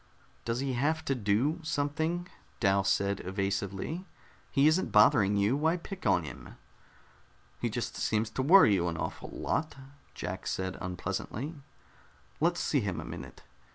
"Does he have to do something?" Dal said evasively. "He isn't bothering you. Why pick on him?" "He just seems to worry you an awful lot," Jack said unpleasantly. "Let's see him a minute."